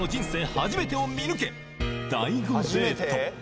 初めてを見抜け大悟デート